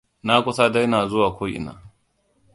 Na kusa daina zuwa ko ina.